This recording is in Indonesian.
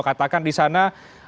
katakan di sana